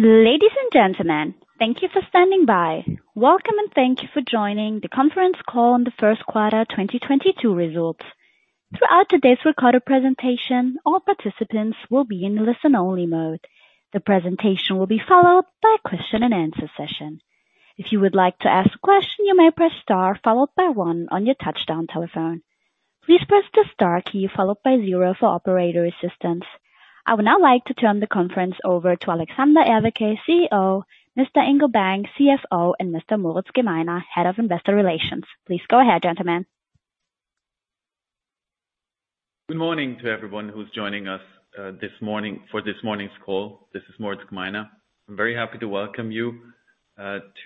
Ladies and gentlemen, thank you for standing by. Welcome and thank you for joining the conference call on the first quarter 2022 results. Throughout today's recorded presentation, all participants will be in listen-only mode. The presentation will be followed by a question and answer session. If you would like to ask a question, you may press star followed by one on your touch-tone telephone. Please press the star key followed by zero for operator assistance. I would now like to turn the conference over to Alexander Everke, CEO, Mr. Ingo Bank, CFO, and Mr. Moritz Gmeiner, Head of Investor Relations. Please go ahead, gentlemen. Good morning to everyone who's joining us this morning for this morning's call. This is Moritz Gmeiner. I'm very happy to welcome you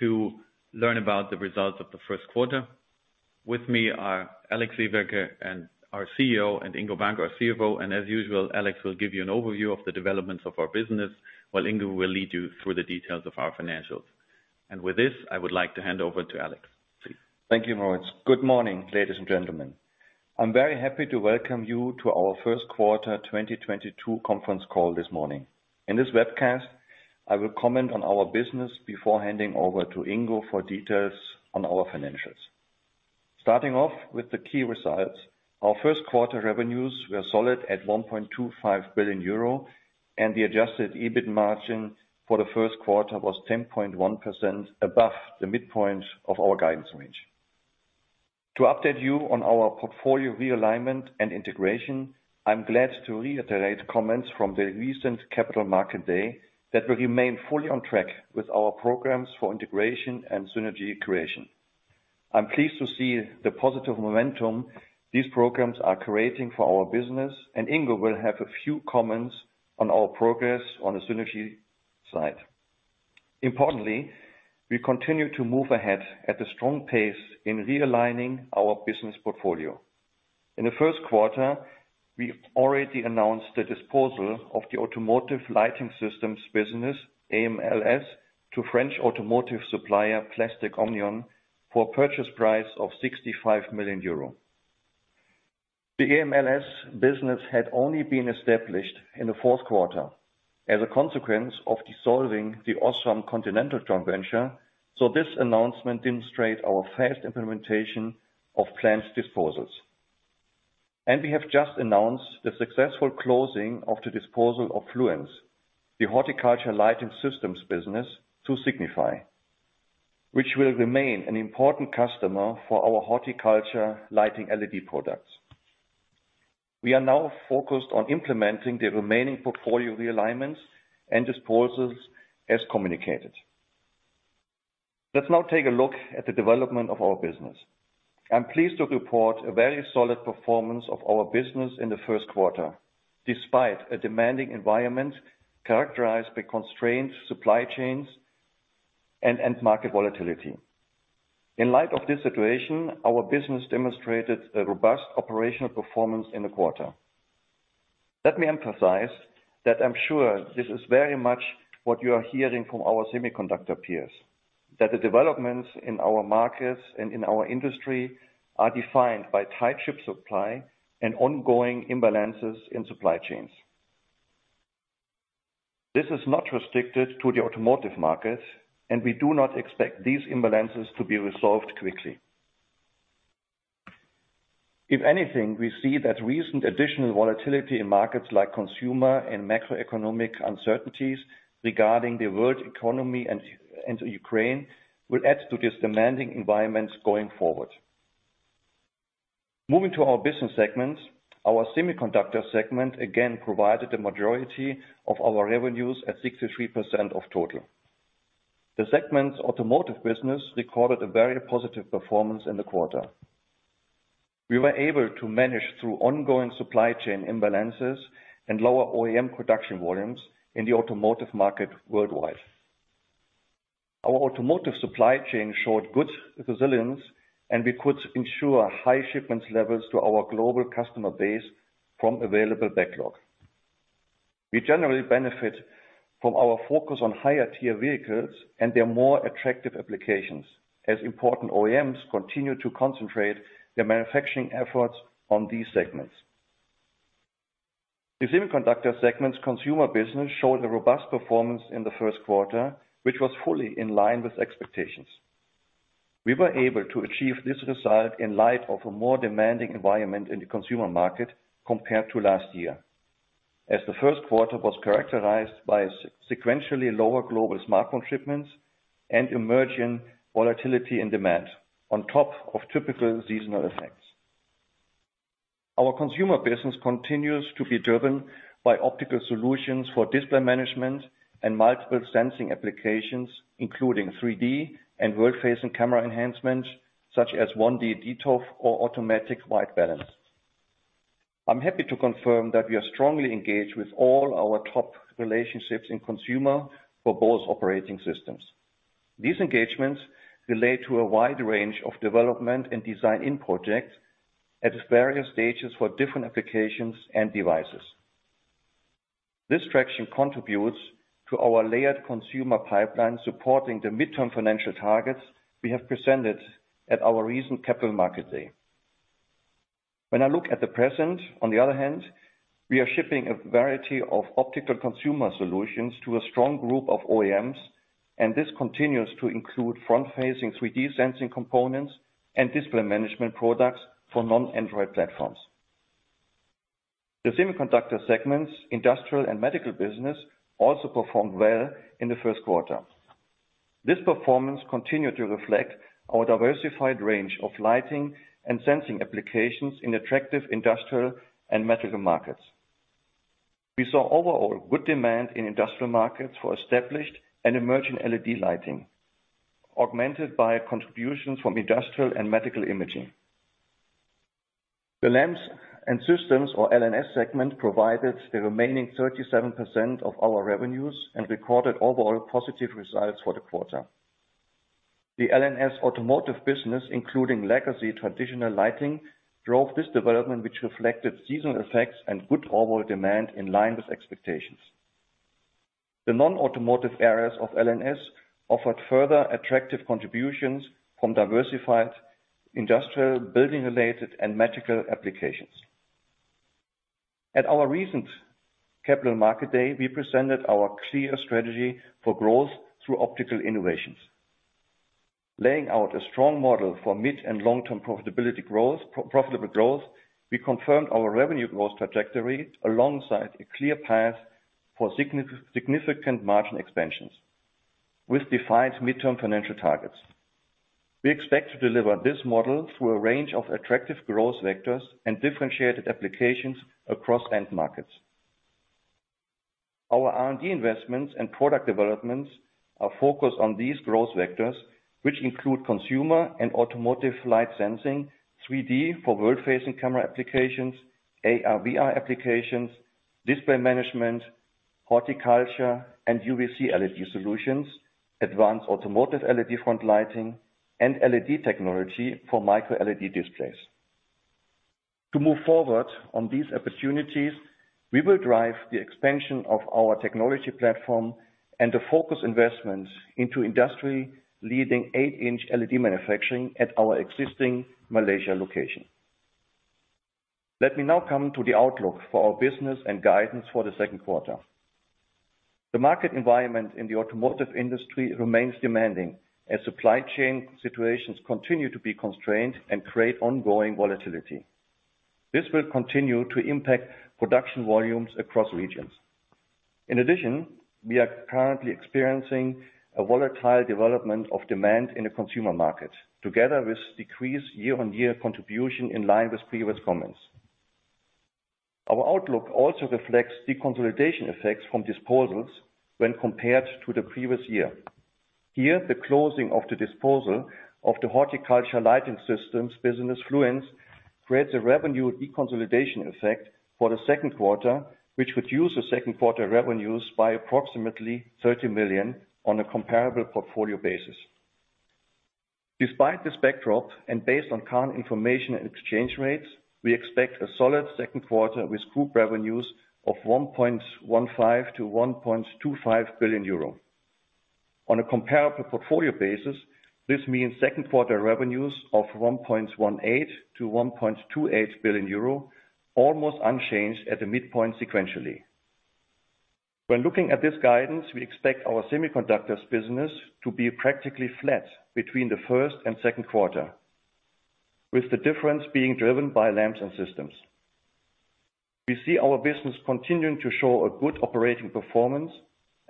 to learn about the results of the first quarter. With me are Alexander Everke, our CEO, and Ingo Bank, our CFO. As usual, Alex will give you an overview of the developments of our business, while Ingo will lead you through the details of our financials. With this, I would like to hand over to Alex. Please. Thank you, Moritz. Good morning, ladies and gentlemen. I'm very happy to welcome you to our first quarter 2022 conference call this morning. In this webcast, I will comment on our business before handing over to Ingo for details on our financials. Starting off with the key results. Our first quarter revenues were solid at 1.25 billion euro, and the adjusted EBIT margin for the first quarter was 10.1% above the midpoint of our guidance range. To update you on our portfolio realignment and integration, I'm glad to reiterate comments from the recent Capital Markets Day that we remain fully on track with our programs for integration and synergy creation. I'm pleased to see the positive momentum these programs are creating for our business, and Ingo will have a few comments on our progress on the synergy side. Importantly, we continue to move ahead at a strong pace in realigning our business portfolio. In the first quarter, we already announced the disposal of the automotive lighting systems business, AMLS, to French automotive supplier, Plastic Omnium, for a purchase price of 65 million euro. The AMLS business had only been established in the fourth quarter as a consequence of dissolving the OSRAM Continental joint venture, so this announcement demonstrate our fast implementation of planned disposals. We have just announced the successful closing of the disposal of Fluence, the horticulture lighting systems business, to Signify, which will remain an important customer for our horticulture lighting LED products. We are now focused on implementing the remaining portfolio realignments and disposals as communicated. Let's now take a look at the development of our business. I'm pleased to report a very solid performance of our business in the first quarter, despite a demanding environment characterized by constrained supply chains and market volatility. In light of this situation, our business demonstrated a robust operational performance in the quarter. Let me emphasize that I'm sure this is very much what you are hearing from our semiconductor peers, that the developments in our markets and in our industry are defined by tight chip supply and ongoing imbalances in supply chains. This is not restricted to the automotive markets, and we do not expect these imbalances to be resolved quickly. If anything, we see that recent additional volatility in markets like consumer and macroeconomic uncertainties regarding the world economy and Ukraine will add to this demanding environments going forward. Moving to our business segments. Our semiconductor segment again provided the majority of our revenues at 63% of total. The segment's automotive business recorded a very positive performance in the quarter. We were able to manage through ongoing supply chain imbalances and lower OEM production volumes in the automotive market worldwide. Our automotive supply chain showed good resilience, and we could ensure high shipments levels to our global customer base from available backlog. We generally benefit from our focus on higher tier vehicles and their more attractive applications as important OEMs continue to concentrate their manufacturing efforts on these segments. The semiconductor segment's consumer business showed a robust performance in the first quarter, which was fully in line with expectations. We were able to achieve this result in light of a more demanding environment in the consumer market compared to last year, as the first quarter was characterized by sequentially lower global smartphone shipments and emerging volatility in demand on top of typical seasonal effects. Our consumer business continues to be driven by optical solutions for display management and multiple sensing applications, including 3D and world-facing camera enhancements such as 1D dToF or automatic white balance. I'm happy to confirm that we are strongly engaged with all our top relationships in consumer for both operating systems. These engagements relate to a wide range of development and design-in projects at various stages for different applications and devices. This traction contributes to our layered consumer pipeline, supporting the midterm financial targets we have presented at our recent Capital Markets Day. When I look at the present, on the other hand, we are shipping a variety of optical consumer solutions to a strong group of OEMs, and this continues to include front-facing 3D sensing components and display management products for non-Android platforms. The semiconductor segments, industrial and medical business also performed well in the first quarter. This performance continued to reflect our diversified range of lighting and sensing applications in attractive industrial and medical markets. We saw overall good demand in industrial markets for established and emerging LED lighting, augmented by contributions from industrial and medical imaging. The Lamps and Systems or LNS segment provided the remaining 37% of our revenues and recorded overall positive results for the quarter. The LNS automotive business, including legacy traditional lighting, drove this development, which reflected seasonal effects and good overall demand in line with expectations. The non-automotive areas of LNS offered further attractive contributions from diversified industrial, building-related and medical applications. At our recent Capital Markets Day, we presented our clear strategy for growth through optical innovations. Laying out a strong model for mid- and long-term profitability growth, profitable growth, we confirmed our revenue growth trajectory alongside a clear path for significant margin expansions with defined midterm financial targets. We expect to deliver this model through a range of attractive growth vectors and differentiated applications across end markets. Our R&D investments and product developments are focused on these growth vectors, which include consumer and automotive light sensing, 3D for world-facing camera applications, AR/VR applications, display management, horticulture and UVC LED solutions, advanced automotive LED front lighting and LED technology for microLED displays. To move forward on these opportunities, we will drive the expansion of our technology platform and the focus investments into industry-leading eight-inch LED manufacturing at our existing Malaysia location. Let me now come to the outlook for our business and guidance for the second quarter. The market environment in the automotive industry remains demanding as supply chain situations continue to be constrained and create ongoing volatility. This will continue to impact production volumes across regions. In addition, we are currently experiencing a volatile development of demand in the consumer market, together with decreased year-on-year contribution in line with previous comments. Our outlook also reflects deconsolidation effects from disposals when compared to the previous year. Here, the closing of the disposal of the horticulture lighting systems business, Fluence, creates a revenue deconsolidation effect for the second quarter, which would reduce the second quarter revenues by approximately 30 million on a comparable portfolio basis. Despite this backdrop, and based on current information and exchange rates, we expect a solid second quarter with group revenues of 1.15 billion-1.25 billion euro. On a comparable portfolio basis, this means second quarter revenues of 1.18 billion-1.28 billion euro, almost unchanged at the midpoint sequentially. When looking at this guidance, we expect our semiconductors business to be practically flat between the first and second quarter, with the difference being driven by lamps and systems. We see our business continuing to show a good operating performance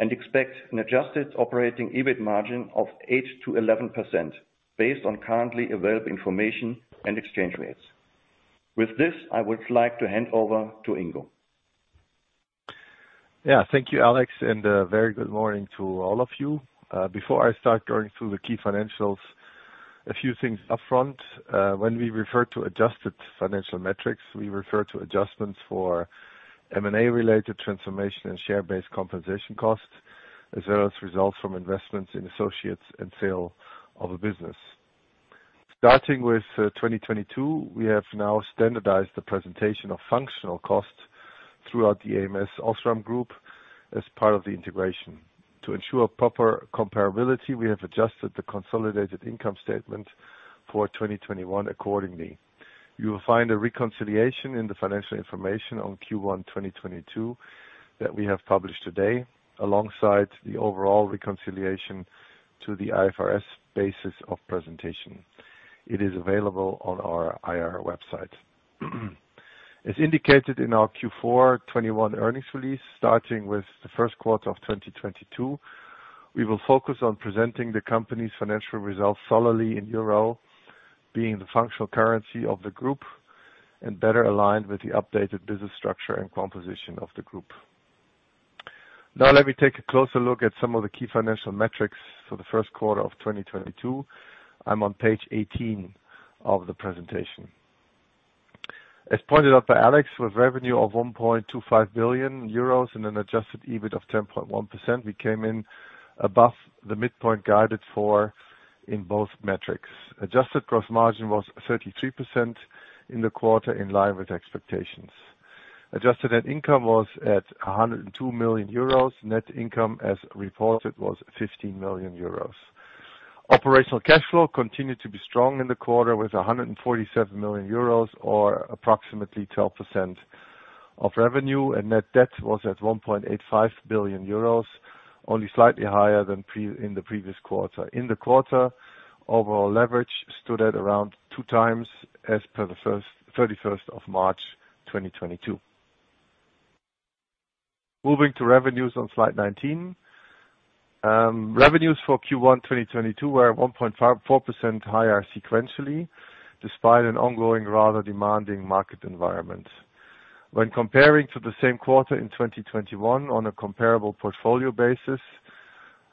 and expect an adjusted operating EBIT margin of 8%-11% based on currently available information and exchange rates. With this, I would like to hand over to Ingo. Yeah. Thank you, Alex, and very good morning to all of you. Before I start going through the key financials, a few things upfront. When we refer to adjusted financial metrics, we refer to adjustments for M&A-related transformation and share-based compensation costs, as well as results from investments in associates and sale of a business. Starting with 2022, we have now standardized the presentation of functional costs throughout the ams OSRAM Group as part of the integration. To ensure proper comparability, we have adjusted the consolidated income statement for 2021 accordingly. You will find a reconciliation in the financial information on Q1 2022 that we have published today, alongside the overall reconciliation to the IFRS basis of presentation. It is available on our IR website. As indicated in our Q4 2021 earnings release, starting with the first quarter of 2022, we will focus on presenting the company's financial results solely in euro, being the functional currency of the group and better aligned with the updated business structure and composition of the group. Now let me take a closer look at some of the key financial metrics for the first quarter of 2022. I'm on page 18 of the presentation. As pointed out by Alex, with revenue of 1.25 billion euros and an adjusted EBIT of 10.1%, we came in above the midpoint guided for in both metrics. Adjusted gross margin was 33% in the quarter in line with expectations. Adjusted net income was at 102 million euros. Net income, as reported, was 15 million euros. Operational cash flow continued to be strong in the quarter with 147 million euros or approximately 12% of revenue. Net debt was at 1.85 billion euros, only slightly higher than in the previous quarter. In the quarter, overall leverage stood at around 2x as per the thirty-first of March, 2022. Moving to revenues on slide 19. Revenues for Q1, 2022 were 1.54% higher sequentially, despite an ongoing rather demanding market environment. When comparing to the same quarter in 2021 on a comparable portfolio basis,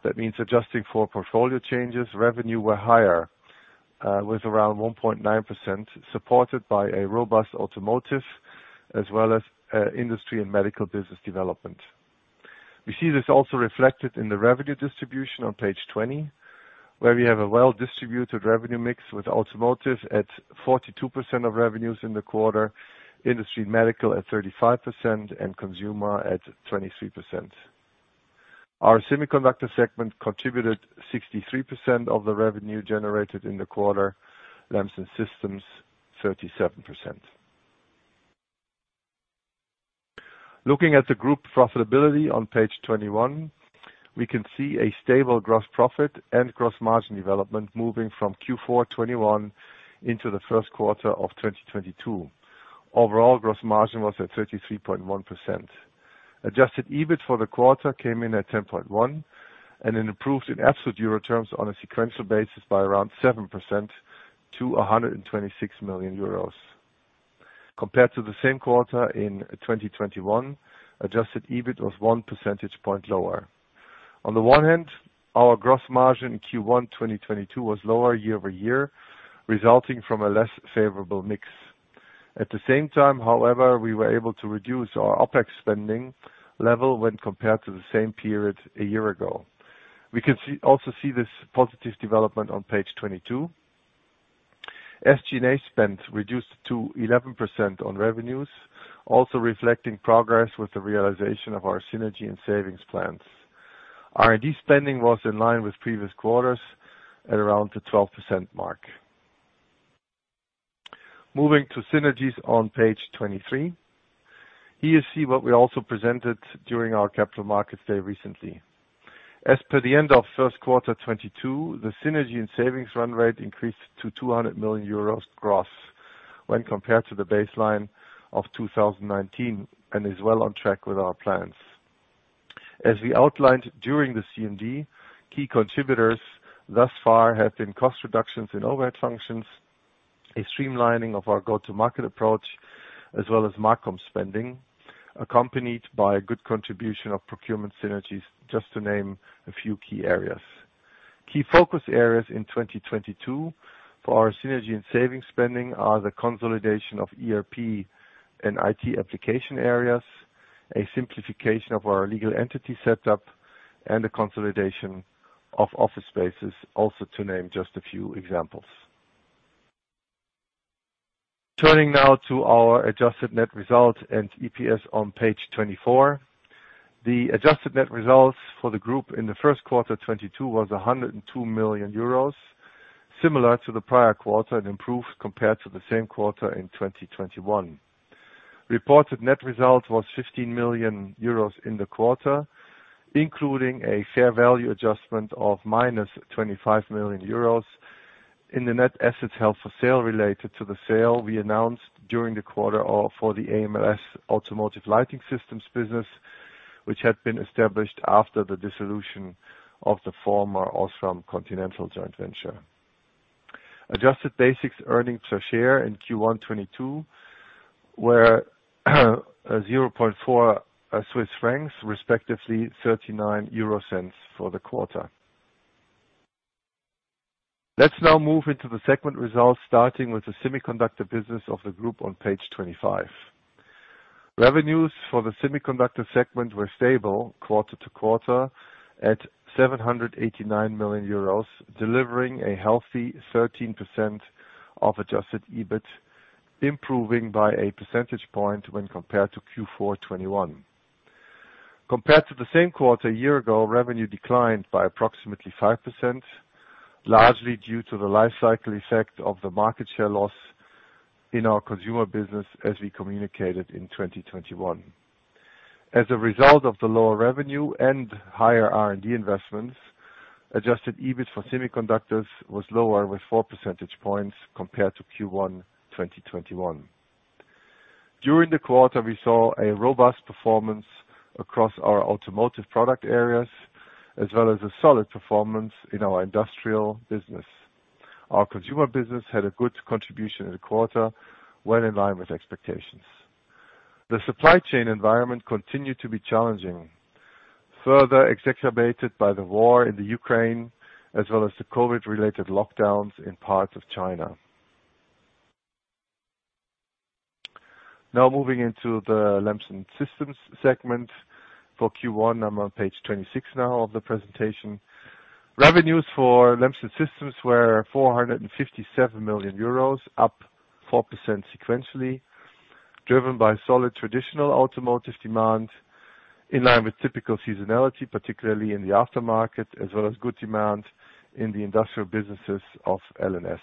that means adjusting for portfolio changes, revenue were higher, with around 1.9%, supported by a robust automotive as well as, industry and medical business development. We see this also reflected in the revenue distribution on page 20, where we have a well-distributed revenue mix with automotive at 42% of revenues in the quarter, industry and medical at 35%, and consumer at 23%. Our semiconductor segment contributed 63% of the revenue generated in the quarter, Lamps and Systems, 37%. Looking at the group profitability on page 21, we can see a stable gross profit and gross margin development moving from Q4 21 into the first quarter of 2022. Overall gross margin was at 33.1%. Adjusted EBIT for the quarter came in at 10.1% and then improved in absolute euro terms on a sequential basis by around 7% to 126 million euros. Compared to the same quarter in 2021, adjusted EBIT was one percentage point lower. On the one hand, our gross margin in Q1 2022 was lower year-over-year, resulting from a less favorable mix. At the same time, however, we were able to reduce our OPEX spending level when compared to the same period a year ago. We also see this positive development on page 22. SG&A spend reduced to 11% on revenues, also reflecting progress with the realization of our synergy and savings plans. R&D spending was in line with previous quarters at around the 12% mark. Moving to synergies on page 23. Here you see what we also presented during our Capital Markets Day recently. As per the end of Q1 2022, the synergy and savings run rate increased to 200 million euros gross when compared to the baseline of 2019 and is well on track with our plans. As we outlined during the CMD, key contributors thus far have been cost reductions in overhead functions, a streamlining of our go-to-market approach, as well as MarCom spending, accompanied by a good contribution of procurement synergies, just to name a few key areas. Key focus areas in 2022 for our synergy and savings spending are the consolidation of ERP and IT application areas, a simplification of our legal entity setup, and the consolidation of office spaces, also to name just a few examples. Turning now to our adjusted net result and EPS on page 24. The adjusted net results for the group in the first quarter 2022 was 102 million euros, similar to the prior quarter and improved compared to the same quarter in 2021. Reported net results was 15 million euros in the quarter, including a fair value adjustment of -25 million euros in the net assets held for sale related to the sale we announced during the quarter of the AMLS Automotive Lighting Systems business, which had been established after the dissolution of the former OSRAM Continental joint venture. Adjusted basic earnings per share in Q1 2022 were 0.4 Swiss francs, respectively 0.39 for the quarter. Let's now move into the segment results, starting with the semiconductor business of the group on page 25. Revenues for the semiconductor segment were stable quarter-to-quarter at 789 million euros, delivering a healthy 13% of adjusted EBIT, improving by a percentage point when compared to Q4 2021. Compared to the same quarter a year ago, revenue declined by approximately 5%, largely due to the life cycle effect of the market share loss in our consumer business as we communicated in 2021. As a result of the lower revenue and higher R&D investments, adjusted EBIT for semiconductors was lower with four percentage points compared to Q1 2021. During the quarter, we saw a robust performance across our automotive product areas, as well as a solid performance in our industrial business. Our consumer business had a good contribution in the quarter, well in line with expectations. The supply chain environment continued to be challenging, further exacerbated by the war in Ukraine, as well as the COVID-related lockdowns in parts of China. Now moving into the Lamps and Systems segment for Q1. I'm on page 26 now of the presentation. Revenues for Lamps and Systems were 457 million euros, up 4% sequentially, driven by solid traditional automotive demand. In line with typical seasonality, particularly in the aftermarket, as well as good demand in the industrial businesses of LNS.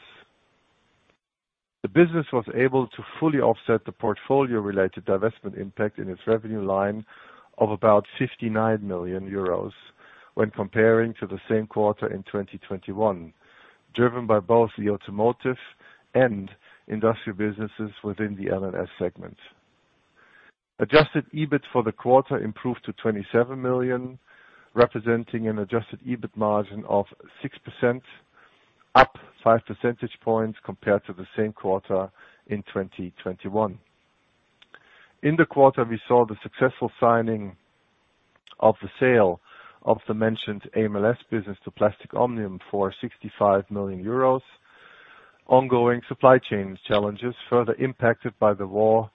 The business was able to fully offset the portfolio-related divestment impact in its revenue line of about 59 million euros when comparing to the same quarter in 2021, driven by both the automotive and industrial businesses within the LNS segment. Adjusted EBIT for the quarter improved to 27 million, representing an adjusted EBIT margin of 6%, up five percentage points compared to the same quarter in 2021. In the quarter, we saw the successful signing of the sale of the mentioned AMLS business to Plastic Omnium for 65 million euros. Ongoing supply chain challenges further impacted by the war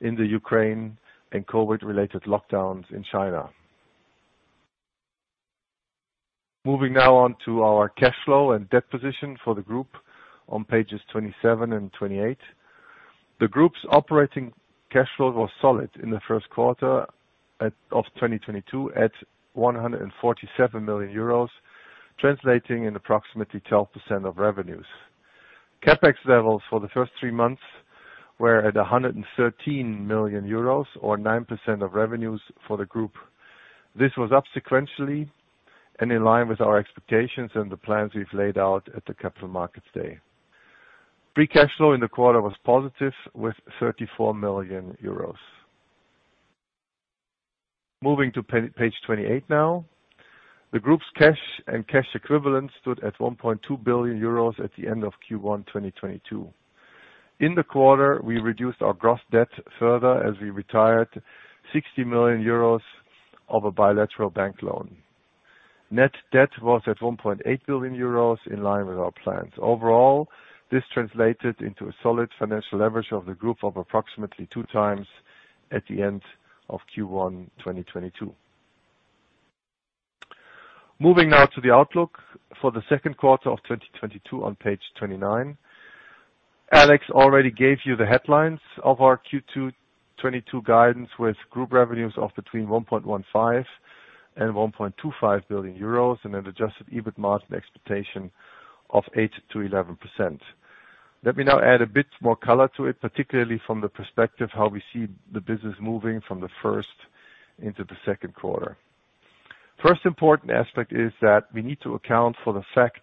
in the Ukraine and COVID-related lockdowns in China. Moving now on to our cash flow and debt position for the group on pages 27 and 28. The group's operating cash flow was solid in the first quarter of 2022 at 147 million euros, translating to approximately 12% of revenues. CapEx levels for the first three months were at 113 million euros or 9% of revenues for the group. This was up sequentially and in line with our expectations and the plans we've laid out at the Capital Markets Day. Free cash flow in the quarter was positive with 34 million euros. Moving to page 28 now. The group's cash and cash equivalents stood at 1.2 billion euros at the end of Q1 2022. In the quarter, we reduced our gross debt further as we retired 60 million euros of a bilateral bank loan. Net debt was at 1.8 billion euros in line with our plans. Overall, this translated into a solid financial leverage of the group of approximately 2x at the end of Q1 2022. Moving now to the outlook for the second quarter of 2022 on page 29. Alex already gave you the headlines of our Q2 2022 guidance, with group revenues of between 1.15 billion and 1.25 billion euros and an adjusted EBIT margin expectation of 8%-11%. Let me now add a bit more color to it, particularly from the perspective how we see the business moving from the first into the second quarter. First important aspect is that we need to account for the fact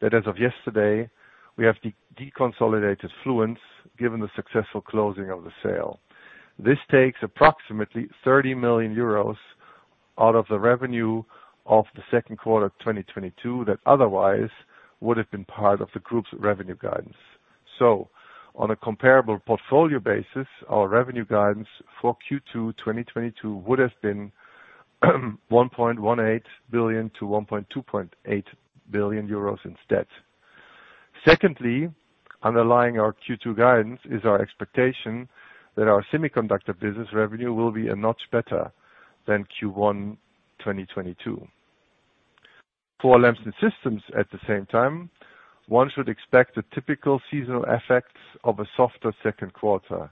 that as of yesterday, we have deconsolidated Fluence given the successful closing of the sale. This takes approximately 30 million euros out of the revenue of the second quarter of 2022 that otherwise would have been part of the group's revenue guidance. On a comparable portfolio basis, our revenue guidance for Q2 2022 would have been 1.18 billion-1.28 billion euros instead. Secondly, underlying our Q2 guidance is our expectation that our semiconductor business revenue will be a notch better than Q1 2022. For Lamps and Systems at the same time, one should expect the typical seasonal effects of a softer second quarter.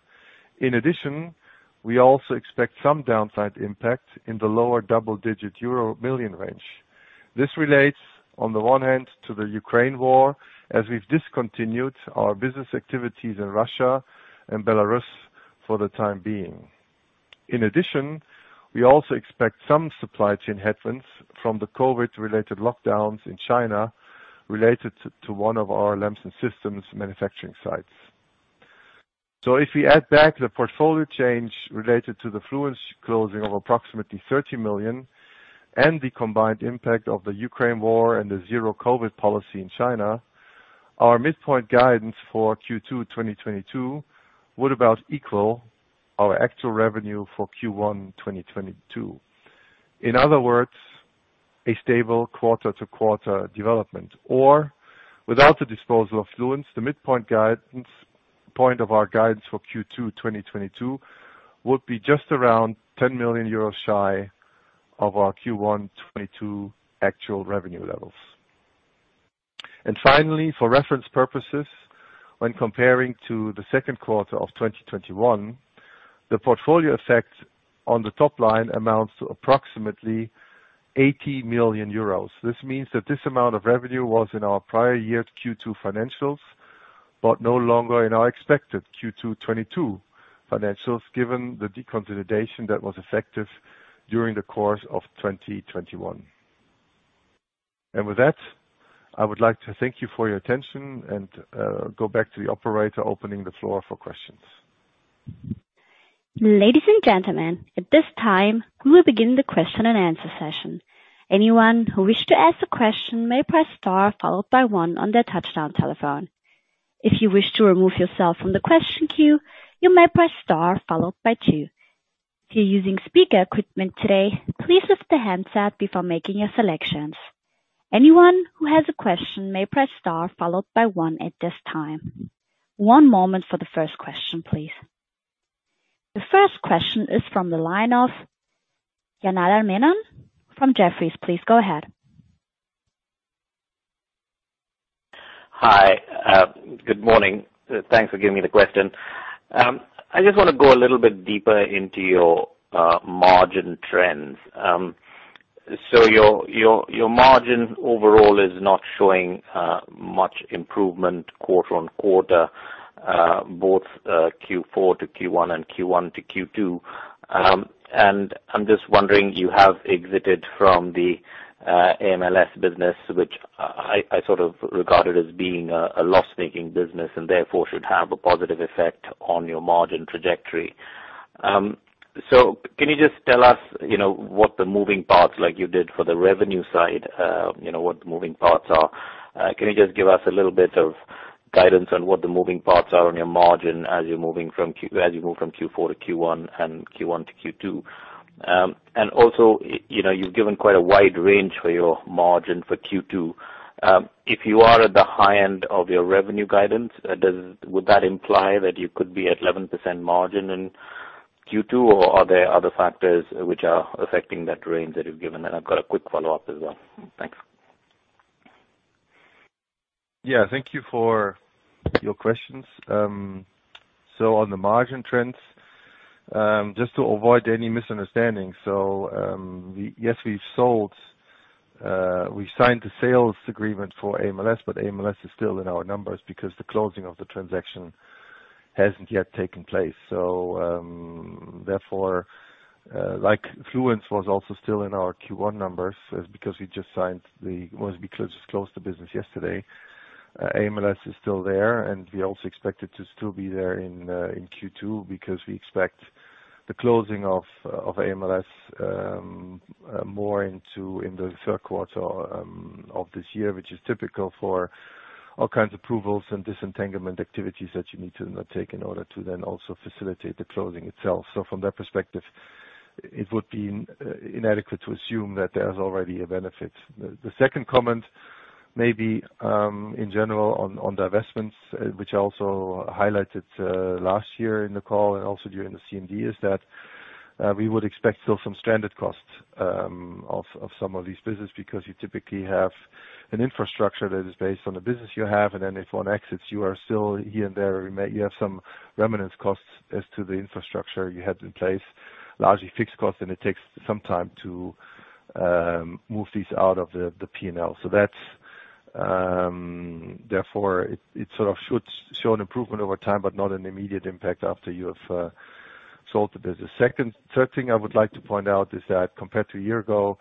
In addition, we also expect some downside impact in the lower double-digit euro million range. This relates, on the one hand, to the Ukraine war as we've discontinued our business activities in Russia and Belarus for the time being. In addition, we also expect some supply chain headwinds from the COVID-related lockdowns in China related to one of our Lamps and Systems manufacturing sites. If we add back the portfolio change related to the Fluence closing of approximately 30 million and the combined impact of the Ukraine war and the zero COVID policy in China, our midpoint guidance for Q2 2022 would about equal our actual revenue for Q1 2022. In other words, a stable quarter-to-quarter development, or without the disposal of Fluence, the midpoint guidance, point of our guidance for Q2 2022 would be just around 10 million euros shy of our Q1 2022 actual revenue levels. Finally, for reference purposes, when comparing to the second quarter of 2021, the portfolio effect on the top line amounts to approximately 80 million euros. This means that this amount of revenue was in our prior year's Q2 financials, but no longer in our expected Q2 2022 financials, given the deconsolidation that was effective during the course of 2021. With that, I would like to thank you for your attention and go back to the operator opening the floor for questions. Ladies and gentlemen, at this time, we will begin the question-and-answer session. Anyone who wished to ask a question may press star followed by one on their touch-tone telephone. If you wish to remove yourself from the question queue, you may press star followed by two. If you're using speaker equipment today, please lift the handset before making your selections. Anyone who has a question may press star followed by one at this time. One moment for the first question, please. The first question is from the line of Janardan Menon from Jefferies. Please go ahead. Hi. Good morning. Thanks for giving me the question. I just wanna go a little bit deeper into your margin trends. Your margin overall is not showing much improvement quarter-over-quarter, both Q4 to Q1 and Q1 to Q2. I'm just wondering, you have exited from the AMLS business, which I sort of regarded as being a loss-making business and therefore should have a positive effect on your margin trajectory. Can you just tell us, you know, what the moving parts, like you did for the revenue side, you know, what the moving parts are. Can you just give us a little bit of guidance on what the moving parts are on your margin as you move from Q4 to Q1 and Q1 to Q2? Also, you know, you've given quite a wide range for your margin for Q2. If you are at the high end of your revenue guidance, would that imply that you could be at 11% margin in Q2, or are there other factors which are affecting that range that you've given? I've got a quick follow-up as well. Thanks. Yeah, thank you for your questions. So on the margin trends, just to avoid any misunderstanding, so yes, we've sold, we signed the sales agreement for AMLS, but AMLS is still in our numbers because the closing of the transaction hasn't yet taken place. Therefore, like Fluence was also still in our Q1 numbers, because it closed the business yesterday. AMLS is still there, and we also expect it to still be there in Q2, because we expect the closing of AMLS more into the third quarter of this year, which is typical for all kinds of approvals and disentanglement activities that you need to take in order to then also facilitate the closing itself. From that perspective, it would be inadequate to assume that there's already a benefit. The second comment maybe in general on divestments, which I also highlighted last year in the call and also during the CMD, is that we would expect still some stranded costs of some of these businesses because you typically have an infrastructure that is based on the business you have, and then if one exits, you are still here and there. You have some remnant costs as to the infrastructure you had in place, largely fixed costs, and it takes some time to move these out of the P&L. That's therefore it sort of should show an improvement over time, but not an immediate impact after you have sold the business. Third thing I would like to point out is that compared to a year ago,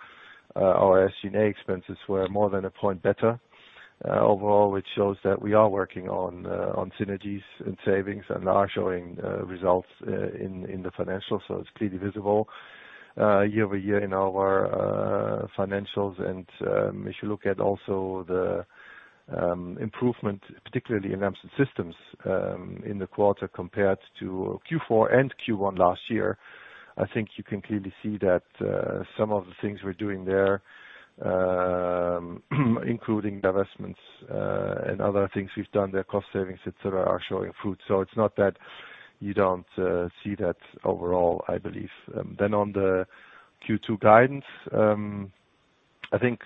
our SG&A expenses were more than a point better overall, which shows that we are working on synergies and savings and are showing results in the financials. It's clearly visible year-over-year in our financials. If you look at also the improvement, particularly in Lamps and Systems, in the quarter compared to Q4 and Q1 last year, I think you can clearly see that some of the things we're doing there, including divestments and other things we've done there, cost savings, et cetera, are showing fruit. It's not that you don't see that overall, I believe. On the Q2 guidance, I think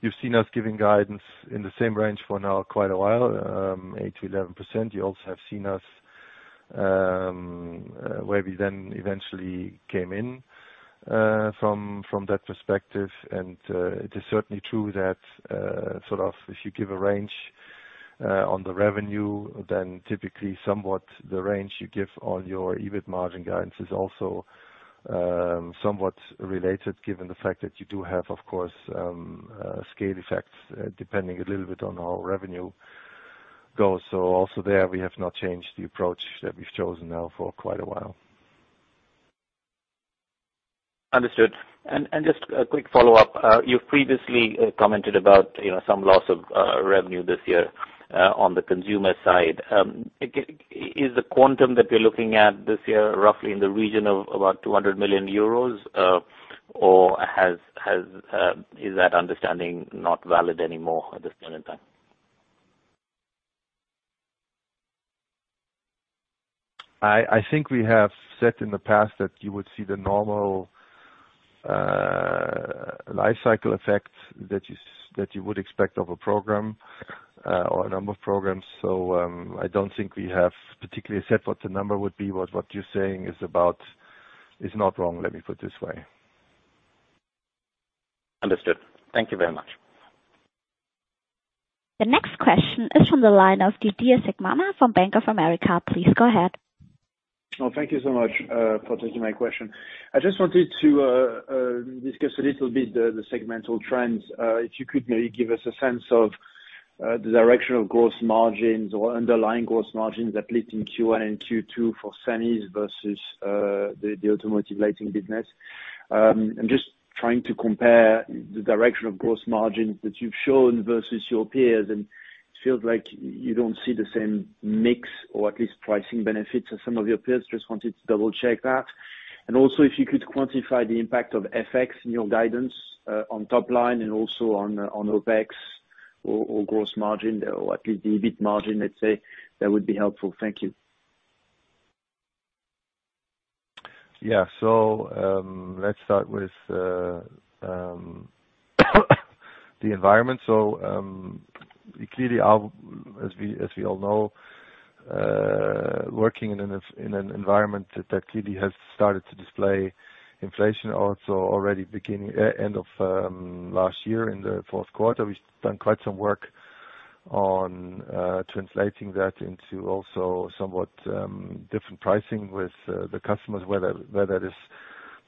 you've seen us giving guidance in the same range for now quite a while, 8%-11%. You also have seen us where we then eventually came in from that perspective. It is certainly true that sort of if you give a range on the revenue, then typically somewhat the range you give on your EBIT margin guidance is also somewhat related given the fact that you do have, of course, scale effects depending a little bit on how revenue goes. Also there, we have not changed the approach that we've chosen now for quite a while. Understood. Just a quick follow-up. You've previously commented about, you know, some loss of revenue this year on the consumer side. Is the quantum that we're looking at this year roughly in the region of about 200 million euros, or is that understanding not valid anymore at this point in time? I think we have said in the past that you would see the normal life cycle effect that you would expect of a program or a number of programs. I don't think we have particularly said what the number would be. What you're saying is about is not wrong, let me put it this way. Understood. Thank you very much. The next question is from the line of Didier Scemama from Bank of America. Please go ahead. Oh, thank you so much for taking my question. I just wanted to discuss a little bit the segmental trends. If you could maybe give us a sense of the direction of gross margins or underlying gross margins at least in Q1 and Q2 for Semis versus the automotive lighting business. I'm just trying to compare the direction of gross margins that you've shown versus your peers, and it feels like you don't see the same mix or at least pricing benefits as some of your peers. Just wanted to double check that. Also if you could quantify the impact of FX in your guidance on top line and also on OPEX or gross margin or at least the EBIT margin, let's say, that would be helpful. Thank you. Yeah. Let's start with the environment. Clearly, as we all know, working in an environment that clearly has started to display inflation also already beginning end of last year in the fourth quarter. We've done quite some work on translating that into also somewhat different pricing with the customers, where that is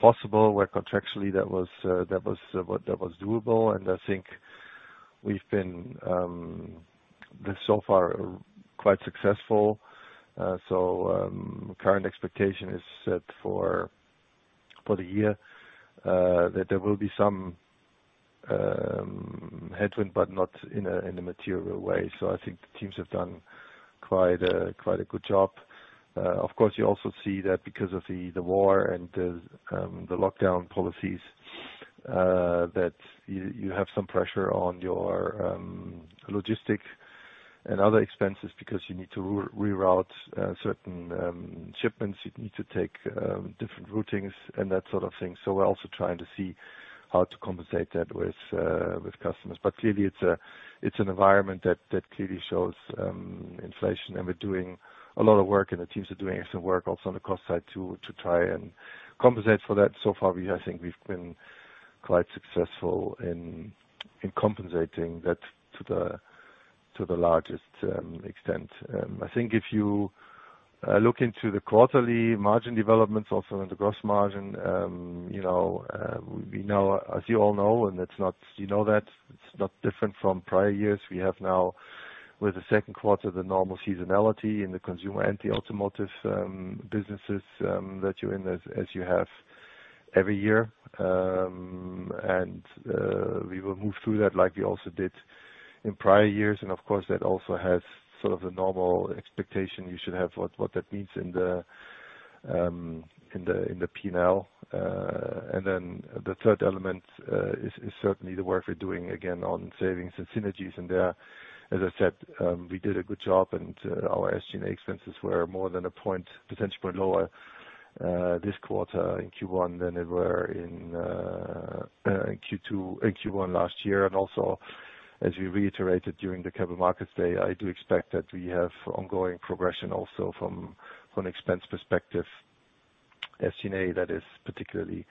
possible, where contractually that was doable. I think we've been so far quite successful. Current expectation is set for the year that there will be some headwind but not in a material way. I think the teams have done quite a good job. Of course, you also see that because of the war and the lockdown policies, that you have some pressure on your logistics and other expenses because you need to reroute certain shipments. You need to take different routings and that sort of thing. We're also trying to see how to compensate that with customers. Clearly it's an environment that clearly shows inflation, and we're doing a lot of work, and the teams are doing some work also on the cost side to try and compensate for that. Far, I think we've been quite successful in compensating that to the largest extent. I think if you look into the quarterly margin developments also in the gross margin, you know, we know, as you all know, you know that it's not different from prior years. We have now, with the second quarter, the normal seasonality in the consumer and the automotive businesses that you see in as you have every year. We will move through that like we also did in prior years. Of course, that also has sort of the normal expectation you should have what that means in the P&L. Then the third element is certainly the work we're doing again on savings and synergies. There, as I said, we did a good job, and our SG&A expenses were more than a percentage point lower this quarter, Q1, than they were in Q1 last year. Also, as we reiterated during the Capital Markets Day, I do expect that we have ongoing progression also from expense perspective. SG&A, that is particularly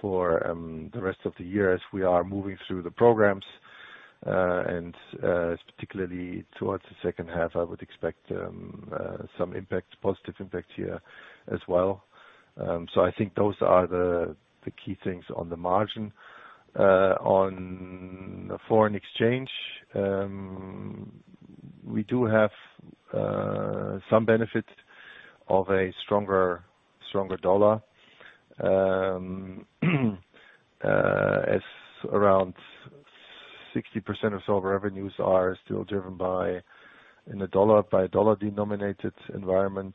for the rest of the year as we are moving through the programs, and particularly towards the second half, I would expect some impact, positive impact here as well. I think those are the key things on the margin. On foreign exchange, we do have some benefit of a stronger dollar as around 60% of overall revenues are still driven by a dollar-denominated environment.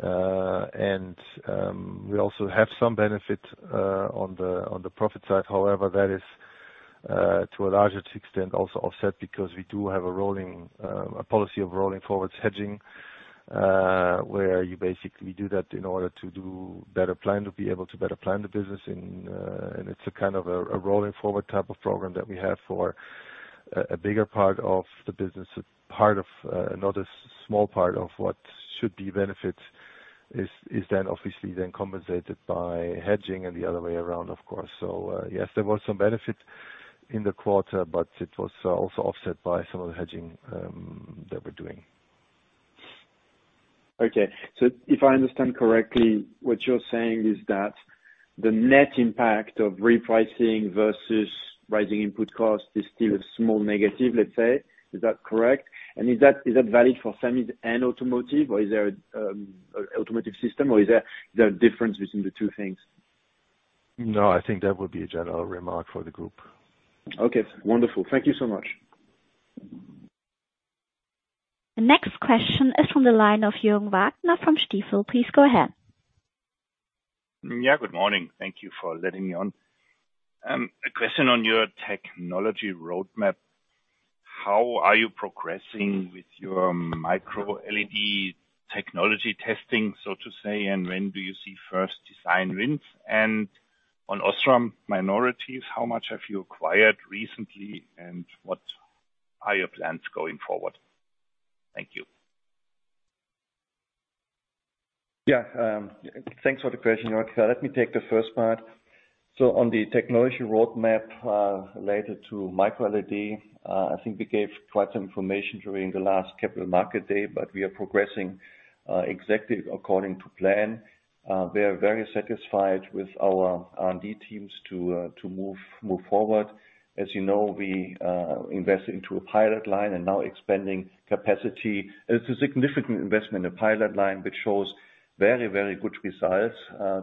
We also have some benefit on the profit side. However, that is to a larger extent also offset because we do have a policy of rolling forwards hedging, where you basically do that in order to be able to better plan the business and it's a kind of a rolling forward type of program that we have for a bigger part of the business. Another small part of what should be benefit is then obviously compensated by hedging and the other way around, of course. Yes, there was some benefit in the quarter, but it was also offset by some of the hedging that we're doing. Okay. If I understand correctly, what you're saying is that the net impact of repricing versus rising input costs is still a small negative, let's say. Is that correct? Is that valid for semis and automotive or is there a difference between the two things? No, I think that would be a general remark for the group. Okay, wonderful. Thank you so much. The next question is from the line of Jürgen Wagner from Stifel. Please go ahead. Yeah, good morning. Thank you for letting me on. A question on your technology roadmap. How are you progressing with your microLED technology testing, so to say, and when do you see first design wins? On OSRAM minorities, how much have you acquired recently, and what are your plans going forward? Thank you. Yeah. Thanks for the question, Jürgen. Let me take the first part. On the technology roadmap related to microLED, I think we gave quite some information during the last Capital Markets Day, but we are progressing exactly according to plan. We are very satisfied with our R&D teams to move forward. As you know, we invest into a pilot line and now expanding capacity. It's a significant investment, a pilot line which shows very good results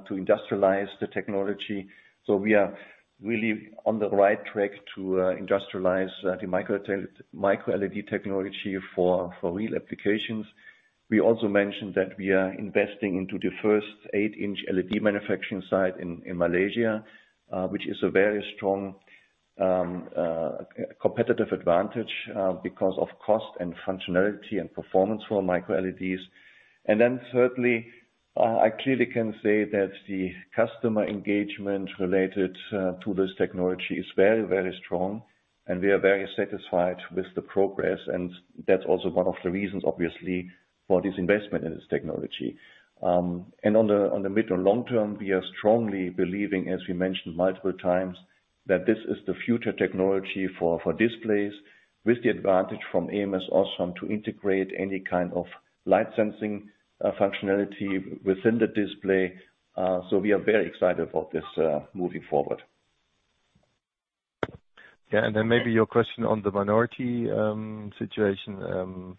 to industrialize the technology. We are really on the right track to industrialize the microLED technology for real applications. We also mentioned that we are investing into the first eight-inch LED manufacturing site in Malaysia, which is a very strong Competitive advantage because of cost and functionality and performance for microLED. Thirdly, I clearly can say that the customer engagement related to this technology is very, very strong, and we are very satisfied with the progress, and that's also one of the reasons, obviously, for this investment in this technology. On the mid to long term, we are strongly believing, as we mentioned multiple times, that this is the future technology for displays with the advantage from ams OSRAM to integrate any kind of light sensing functionality within the display. We are very excited about this moving forward. Maybe your question on the minority situation,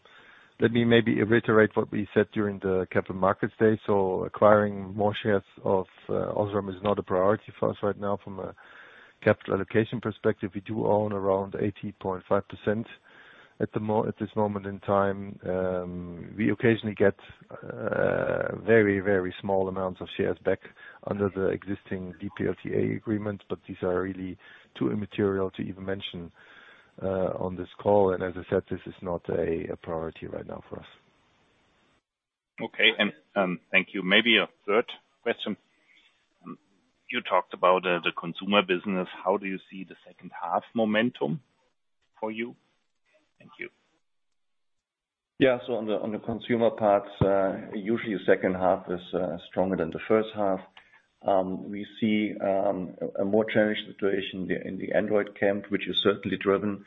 let me maybe reiterate what we said during the Capital Markets Day. Acquiring more shares of OSRAM is not a priority for us right now from a capital allocation perspective. We do own around 80.5% at this moment in time. We occasionally get very small amounts of shares back under the existing DPLTA agreement, but these are really too immaterial to even mention on this call. As I said, this is not a priority right now for us. Okay, thank you. Maybe a third question. You talked about the consumer business. How do you see the second half momentum for you? Thank you. On the consumer parts, usually the second half is stronger than the first half. We see a more challenged situation in the Android camp, which is certainly driven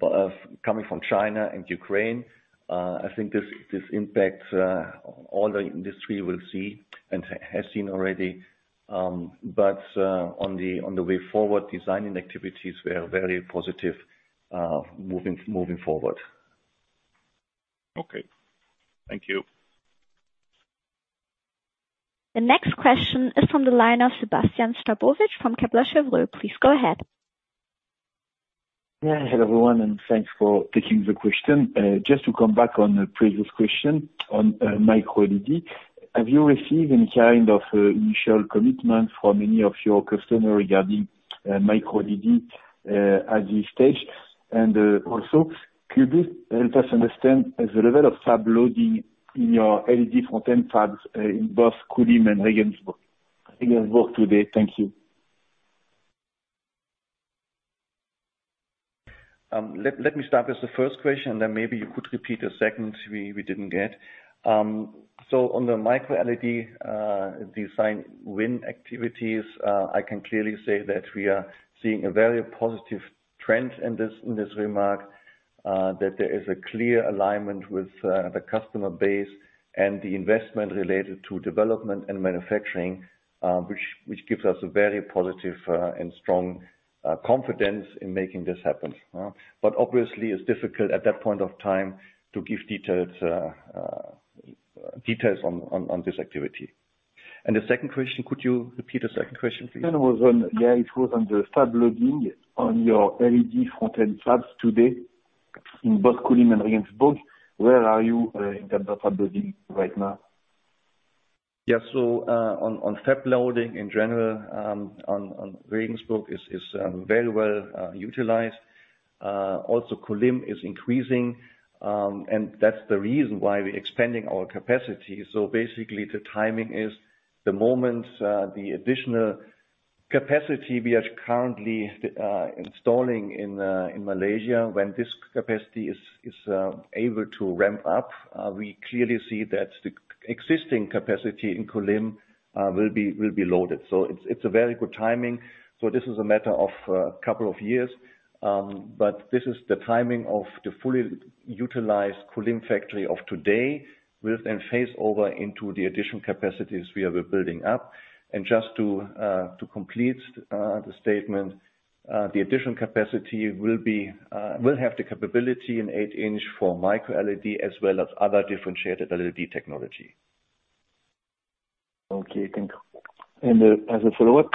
by coming from China and Ukraine. I think this impacts all the industry will see and has seen already. On the way forward designing activities, we are very positive moving forward. Okay. Thank you. The next question is from the line of Sebastien Sztabowicz from Kepler Cheuvreux. Please go ahead. Yeah. Hello, everyone, and thanks for taking the question. Just to come back on the previous question on microLED. Have you received any kind of initial commitment from any of your customer regarding microLED at this stage? Also could you help us understand the level of fab loading in your LED component fabs in both Kulim and Regensburg today? Thank you. Let me start with the first question, then maybe you could repeat the second. We didn't get. On the microLED design win activities, I can clearly say that we are seeing a very positive trend in this regard. That there is a clear alignment with the customer base and the investment related to development and manufacturing, which gives us a very positive and strong confidence in making this happen. But obviously it's difficult at that point of time to give details on this activity. The second question, could you repeat the second question, please? Yeah, it was on the fab loading on your LED content fabs today in both Kulim and Regensburg. Where are you in terms of fab loading right now? Yeah. On fab loading in general, in Regensburg is very well utilized. Also Kulim is increasing, and that's the reason why we're expanding our capacity. Basically the timing is the moment, the additional capacity we are currently installing in Malaysia, when this capacity is able to ramp up, we clearly see that the existing capacity in Kulim will be loaded. It's a very good timing. This is a matter of couple of years. This is the timing of the fully utilized Kulim factory of today with then phase over into the additional capacities we are building up. Just to complete the statement, the additional capacity will have the capability in eight-inch for microLED as well as other differentiated LED technology. Okay, thank you. As a follow-up,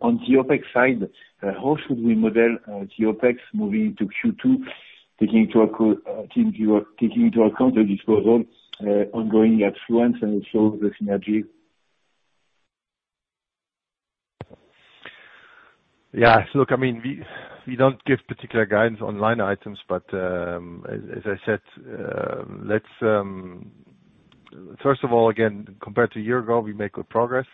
on the OpEx side, how should we model the OpEx moving to Q2, taking into account the disposal, ongoing influence and also the synergy? Yeah. Look, I mean, we don't give particular guidance online items, but as I said, first of all, again, compared to a year ago, we make good progress.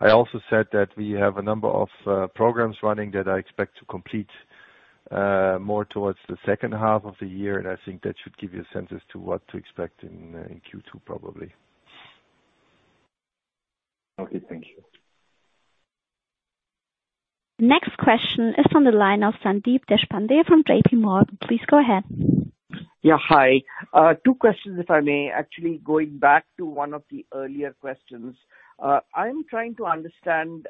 I also said that we have a number of programs running that I expect to complete more towards the second half of the year. I think that should give you a sense as to what to expect in Q2, probably. Okay, thank you. Next question is from the line of Sandeep Deshpande from JPMorgan. Please go ahead. Yeah. Hi. 2 questions, if I may. Actually, going back to one of the earlier questions. I'm trying to understand,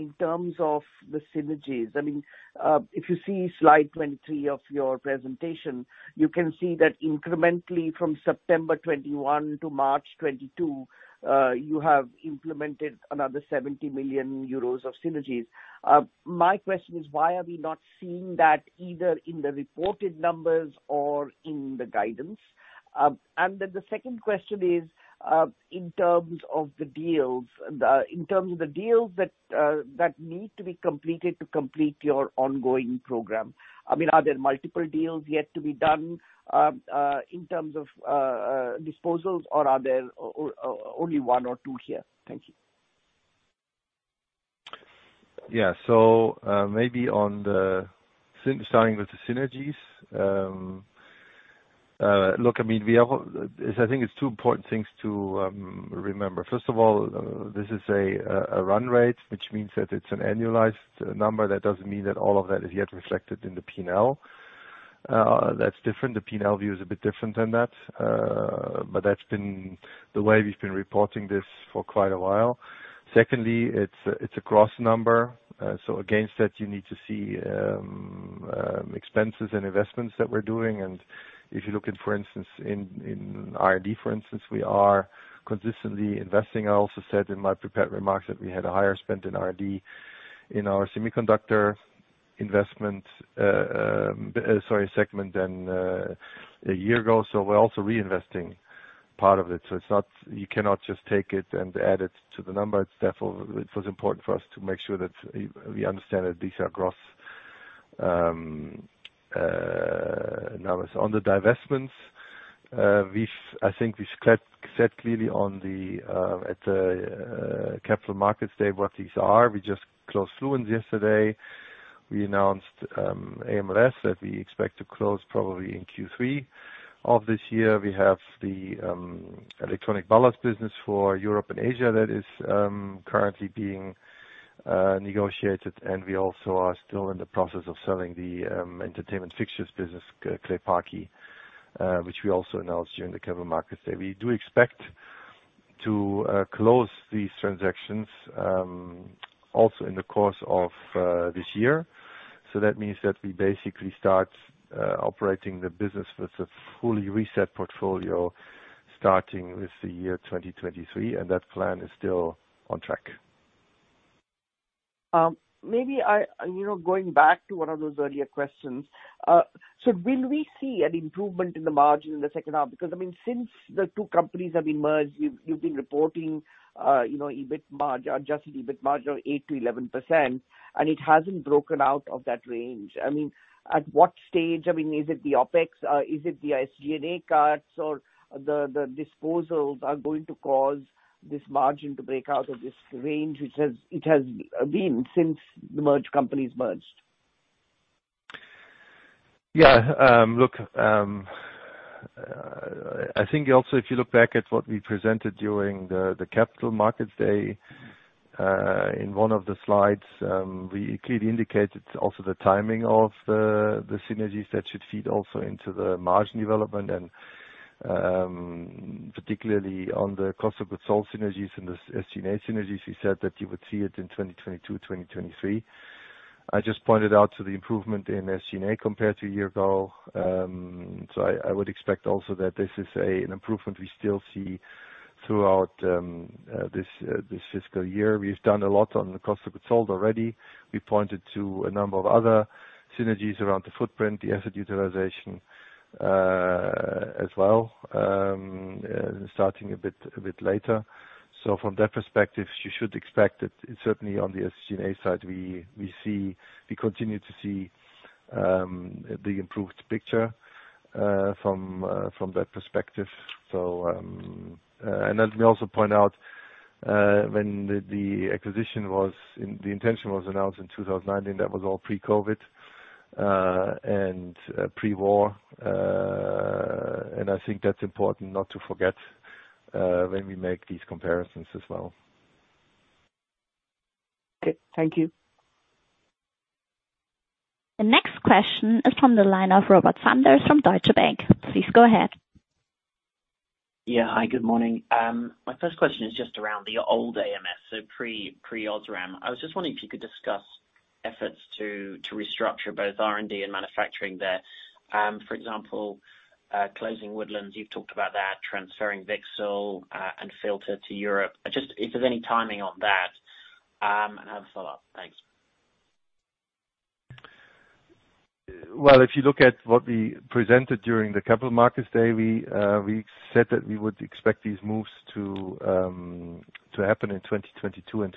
in terms of the synergies. I mean, if you see slide 23 of your presentation, you can see that incrementally from September 2021 to March 2022, you have implemented another 70 million euros of synergies. My question is why are we not seeing that either in the reported numbers or in the guidance? The second question is, in terms of the deals that need to be completed to complete your ongoing program. I mean, are there multiple deals yet to be done, in terms of, disposals or are there only one or two here? Thank you. Maybe starting with the synergies. Look, I mean, we have I think it's two important things to remember. First of all, this is a run rate, which means that it's an annualized number. That doesn't mean that all of that is yet reflected in the P&L. That's different. The P&L view is a bit different than that. But that's been the way we've been reporting this for quite a while. Secondly, it's a gross number. Against that, you need to see expenses and investments that we're doing. If you look at, for instance, in R&D, for instance, we are consistently investing. I also said in my prepared remarks that we had a higher spend in R&D in our semiconductor segment than a year ago, so we're also reinvesting part of it. You cannot just take it and add it to the number. It was therefore important for us to make sure that we understand that these are gross numbers. On the divestments, I think we've said clearly at the Capital Markets Day what these are. We just closed Fluence yesterday. We announced AMLS that we expect to close probably in Q3 of this year. We have the electronic ballasts business for Europe and Asia that is currently being negotiated. We also are still in the process of selling the entertainment fixtures business, Clay Paky, which we also announced during the Capital Markets Day. We do expect to close these transactions also in the course of this year. That means that we basically start operating the business with a fully reset portfolio starting with the year 2023, and that plan is still on track. Maybe you know, going back to one of those earlier questions. Will we see an improvement in the margin in the second half? Because, I mean, since the two companies have been merged, you've been reporting, you know, EBIT margin, adjusted EBIT margin of 8%-11%, and it hasn't broken out of that range. I mean, at what stage, I mean, is it the OpEx, is it the SG&A cuts or the disposals are going to cause this margin to break out of this range it has been since the merged companies merged? Yeah. Look, I think also if you look back at what we presented during the Capital Markets Day, in one of the slides, we clearly indicated also the timing of the synergies that should feed also into the margin development and, particularly on the cost of goods sold synergies and the SG&A synergies, we said that you would see it in 2022, 2023. I just pointed out the improvement in SG&A compared to a year ago. I would expect also that this is an improvement we still see throughout this fiscal year. We've done a lot on the cost of goods sold already. We pointed to a number of other synergies around the footprint, the asset utilization, as well, starting a bit later. From that perspective, you should expect that certainly on the SG&A side, we continue to see the improved picture from that perspective. Let me also point out, when the intention was announced in 2019, that was all pre-COVID and pre-war. I think that's important not to forget when we make these comparisons as well. Okay. Thank you. The next question is from the line of Robert Sanders from Deutsche Bank. Please go ahead. Yeah. Hi, good morning. My first question is just around the old ams, so pre-OSRAM. I was just wondering if you could discuss efforts to restructure both R&D and manufacturing there. For example, closing Woodlands, you've talked about that, transferring VCSEL and filter to Europe. Just if there's any timing on that, and I have a follow-up. Thanks. Well, if you look at what we presented during the Capital Markets Day, we said that we would expect these moves to happen in 2022 and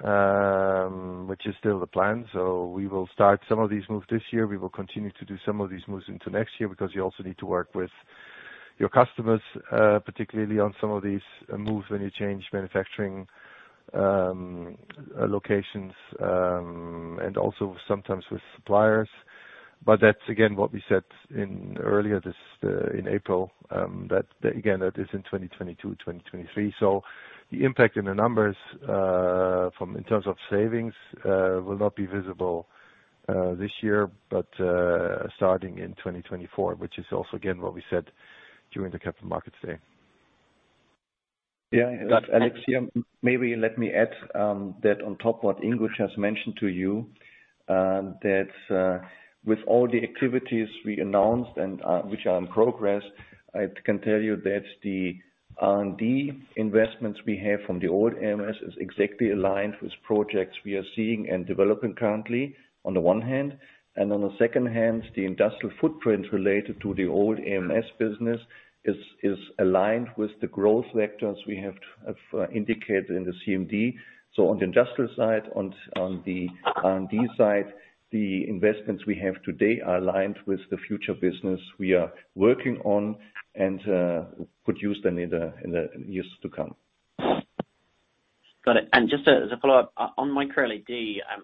2023, which is still the plan. We will start some of these moves this year. We will continue to do some of these moves into next year because you also need to work with your customers, particularly on some of these moves when you change manufacturing locations, and also sometimes with suppliers. That's again what we said early this year in April, that again is in 2022, 2023. The impact in the numbers in terms of savings will not be visible this year, but starting in 2024, which is also again what we said during the Capital Markets Day. Yeah. Got it. Alex, yeah, maybe let me add that on top what Ingo just mentioned to you, that with all the activities we announced and which are in progress. I can tell you that the R&D investments we have from the old AMS is exactly aligned with projects we are seeing and developing currently on the one hand, and on the second hand, the industrial footprint related to the old AMS business is aligned with the growth vectors we have indicated in the CMD. On the industrial side, on the R&D side, the investments we have today are aligned with the future business we are working on and produce them in the years to come. Got it. Just as a follow-up, on microLED,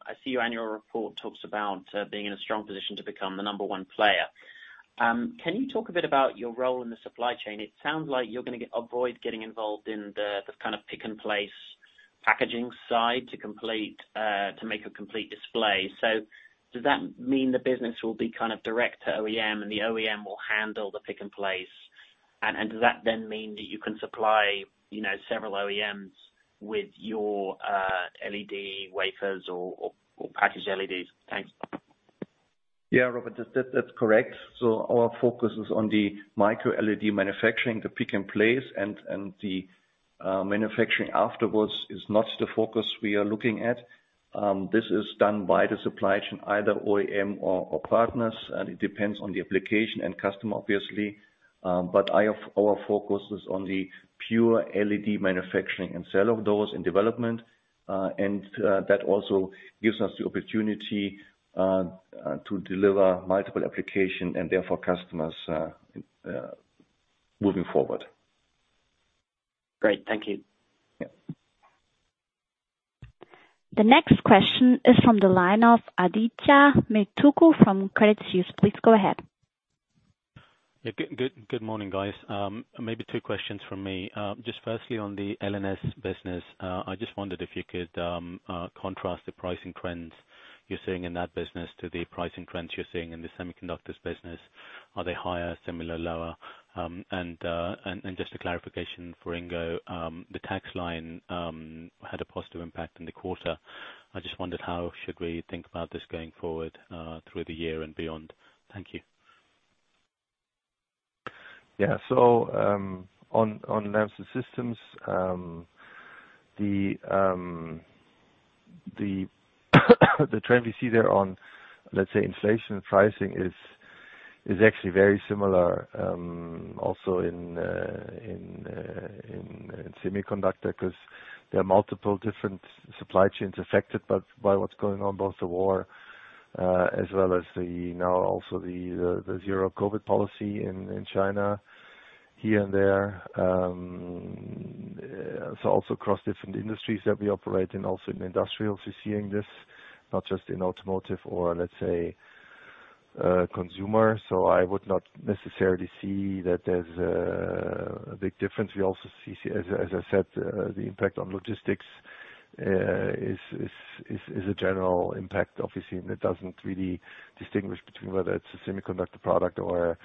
I see your annual report talks about being in a strong position to become the number one player. Can you talk a bit about your role in the supply chain? It sounds like you're gonna avoid getting involved in the kind of pick-and-place packaging side to complete to make a complete display. Does that mean the business will be kind of direct to OEM and the OEM will handle the pick-and-place? Does that then mean that you can supply, you know, several OEMs with your LED wafers or packaged LEDs? Thanks. Yeah, Robert, that's correct. Our focus is on the microLED manufacturing. The pick-and-place and manufacturing afterwards is not the focus we are looking at. This is done by the supply chain, either OEM or partners, and it depends on the application and customer obviously. Our focus is on the pure LED manufacturing and sale of those in development, and that also gives us the opportunity to deliver multiple applications and therefore customers moving forward. Great. Thank you. Yeah. The next question is from the line of Achal Sultania from Credit Suisse. Please go ahead. Yeah. Good morning, guys. Maybe two questions from me. Just firstly on the LNS business. I just wondered if you could contrast the pricing trends you're seeing in that business to the pricing trends you're seeing in the semiconductors business. Are they higher, similar, lower? Just a clarification for Ingo. The tax line had a positive impact in the quarter. I just wondered how we should think about this going forward through the year and beyond. Thank you. Yeah. On Lamps and Systems, the trend we see there on, let's say, inflation pricing is actually very similar, also in semiconductor 'cause there are multiple different supply chains affected by what's going on, both the war, as well as the now also the zero COVID policy in China here and there. Also across different industries that we operate in, also in industrial, we're seeing this, not just in automotive or let's say, consumer. I would not necessarily see that there's a big difference. We also see, as I said, the impact on logistics is a general impact obviously, and it doesn't really distinguish between whether it's a semiconductor product or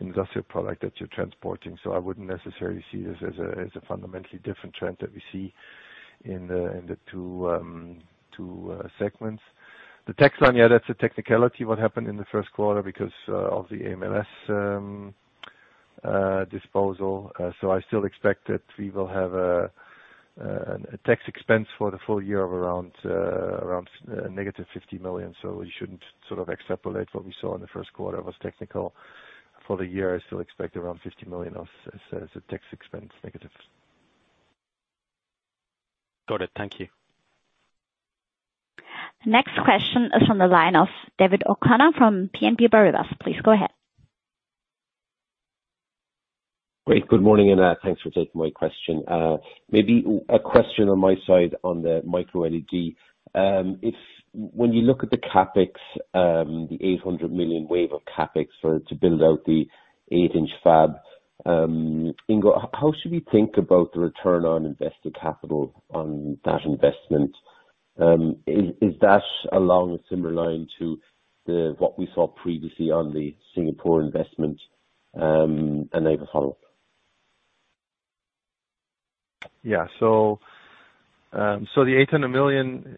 industrial product that you're transporting. I wouldn't necessarily see this as a fundamentally different trend that we see in the two segments. The tax line, that's a technicality what happened in the first quarter because of the AMLS disposal. I still expect that we will have a tax expense for the full year of around -50 million. We shouldn't sort of extrapolate what we saw in the first quarter. It was technical. For the year, I still expect around -50 million as a tax expense. Got it. Thank you. Next question is from the line of David O'Connor from BNP Paribas. Please go ahead. Great. Good morning, and thanks for taking my question. Maybe a question on my side on the microLED. If when you look at the CapEx, the 800 million wave of CapEx to build out the eight-inch fab, Ingo, how should we think about the return on invested capital on that investment? Is that along a similar line to what we saw previously on the Singapore investment? I have a follow-up. The 800 million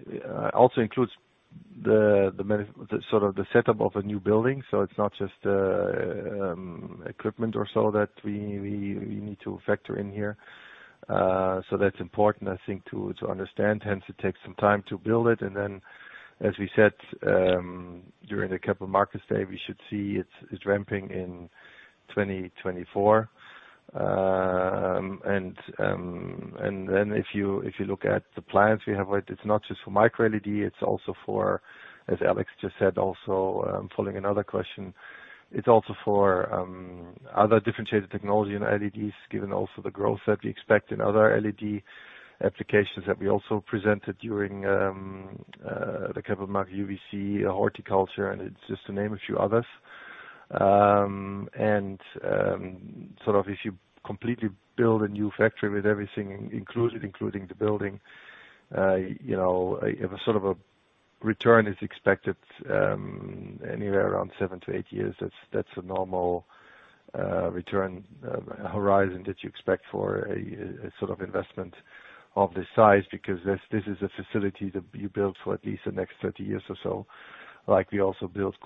also includes the sort of setup of a new building. It's not just equipment or so that we need to factor in here. That's important I think to understand, hence it takes some time to build it. Then as we said, during the Capital Markets Day, we should see it's ramping in 2024. If you look at the plans we have, right, it's not just for microLED, it's also for, as Alex just said, also, following another question, it's also for other differentiated technology in LEDs, given also the growth that we expect in other LED applications that we also presented during the Capital Markets Day, UVC, horticulture, and it's just to name a few others. Sort of if you completely build a new factory with everything included, including the building, you know, if a sort of a return is expected, anywhere around seven to eight years, that's a normal return horizon that you expect for a sort of investment of this size, because this is a facility that you build for at least the next 30 years or so. Like we also built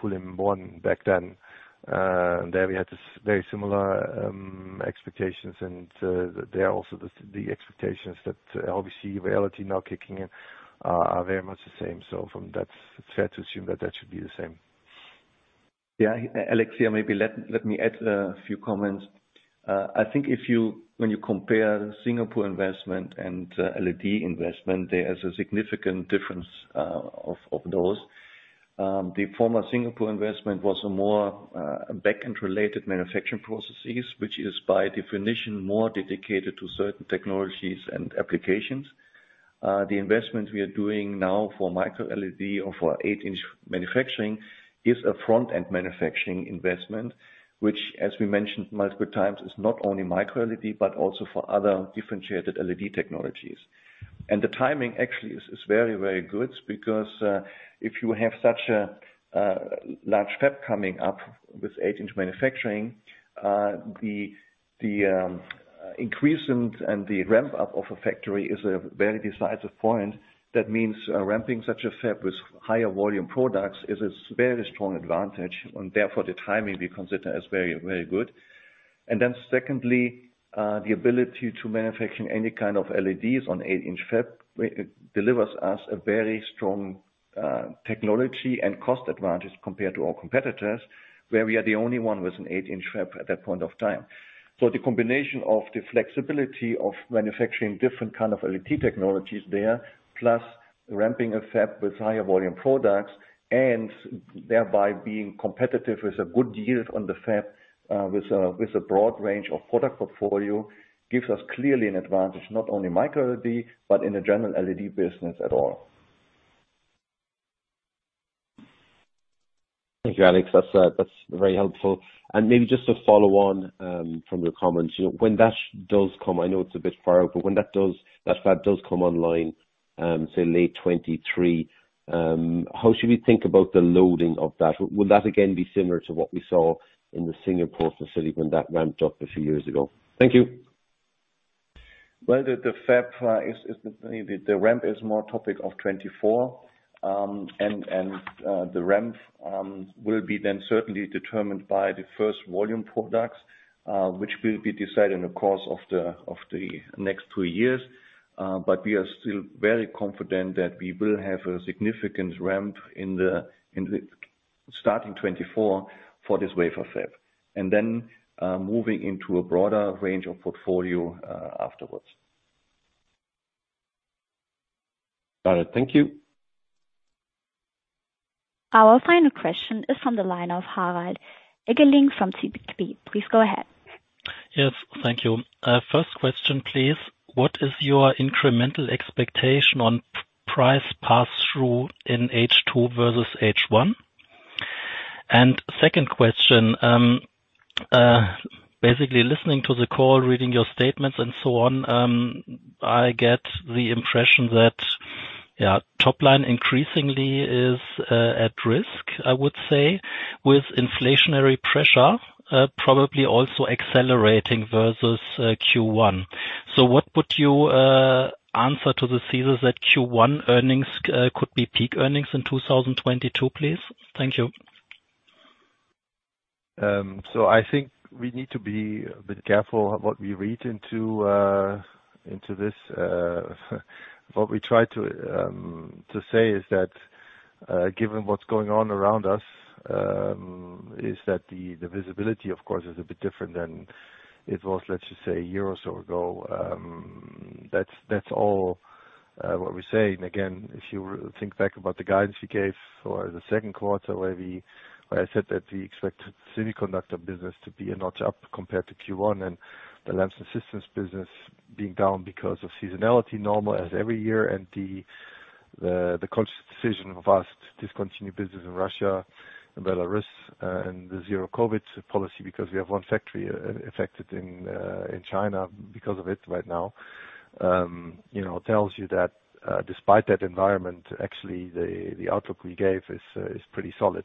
Thank you, Alex. That's very helpful. Maybe just to follow on from your comments. You know, when that does come, I know it's a bit far out, but when that does, that fab does come online, say late 2023, how should we think about the loading of that? Would that again be similar to what we saw in the Singapore facility when that ramped up a few years ago? Thank you. Well, the ramp is more a topic of 2024. The ramp will be then certainly determined by the first volume products, which will be decided in the course of the next two years. We are still very confident that we will have a significant ramp in the starting 2024 for this wafer fab. Moving into a broader range of portfolio afterwards. Got it. Thank you. Our final question is from the line of Harald Eggeling from CPB. Please go ahead. Yes. Thank you. First question, please. What is your incremental expectation on price pass-through in H2 versus H1? Second question, basically listening to the call, reading your statements and so on, I get the impression that, yeah, top line increasingly is at risk, I would say, with inflationary pressure, probably also accelerating versus Q1. What would you answer to the thesis that Q1 earnings could be peak earnings in 2022, please? Thank you. I think we need to be a bit careful what we read into this. What we try to say is that given what's going on around us, the visibility of course is a bit different than it was, let's just say, a year or so ago. That's all what we're saying. Again, if you think back about the guidance we gave for the second quarter where I said that we expect Semiconductor business to be a notch up compared to Q1, and the Lamps and Systems business being down because of seasonality normal as every year, and the conscious decision of us to discontinue business in Russia and Belarus, and the zero COVID policy because we have one factory affected in China because of it right now. You know, tells you that, despite that environment, actually the outlook we gave is pretty solid.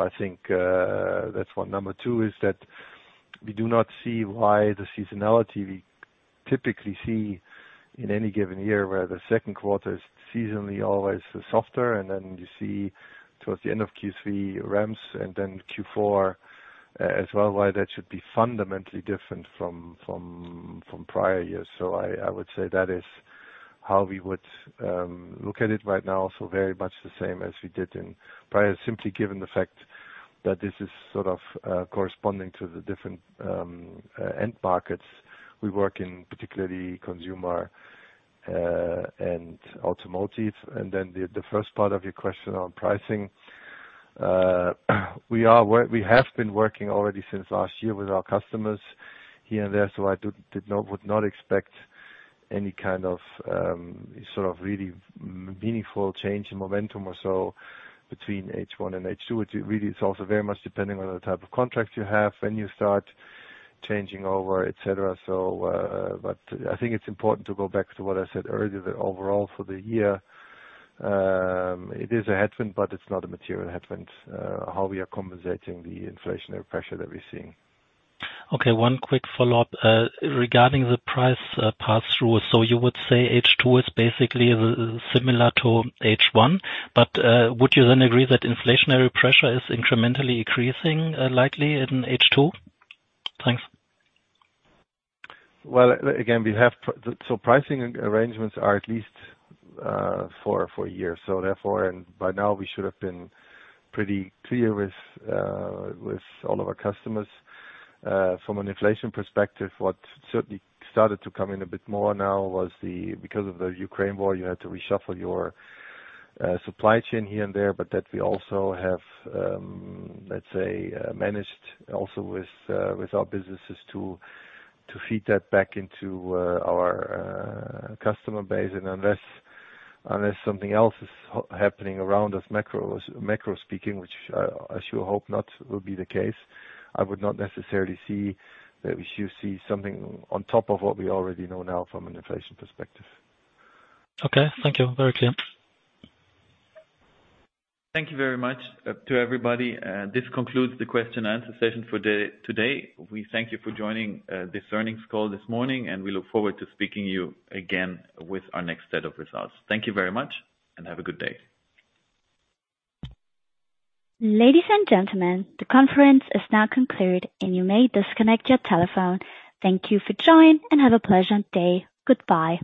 I think that's one. Number 2 is that we do not see why the seasonality we typically see in any given year, where the second quarter is seasonally always softer and then you see towards the end of Q3 ramps and then Q4 as well, why that should be fundamentally different from prior years. I would say that is how we would look at it right now, so very much the same as we did in prior. Simply given the fact that this is sort of corresponding to the different end markets we work in, particularly consumer and automotive. Then the first part of your question on pricing. We have been working already since last year with our customers here and there, so I would not expect any kind of, sort of really meaningful change in momentum or so between H1 and H2. It's really, it's also very much depending on the type of contracts you have, when you start changing over, et cetera. I think it's important to go back to what I said earlier, that overall for the year, it is a headwind, but it's not a material headwind, how we are compensating the inflationary pressure that we're seeing. Okay, one quick follow-up regarding the price pass-through. You would say H2 is basically similar to H1. Would you then agree that inflationary pressure is incrementally increasing, likely in H2? Thanks. Well, again, pricing arrangements are at least for a year. By now we should have been pretty clear with all of our customers. From an inflation perspective, what certainly started to come in a bit more now was, because of the Ukraine war, you had to reshuffle your supply chain here and there. But that we also have, let's say, managed also with our businesses to feed that back into our customer base. Unless something else is happening around us macro speaking, which I sure hope not will be the case, I would not necessarily see that we should see something on top of what we already know now from an inflation perspective. Okay. Thank you. Very clear. Thank you very much to everybody. This concludes the question and answer session for today. We thank you for joining this earnings call this morning, and we look forward to speaking you again with our next set of results. Thank you very much and have a good day. Ladies and gentlemen, the conference is now concluded and you may disconnect your telephone. Thank you for joining, and have a pleasant day. Goodbye.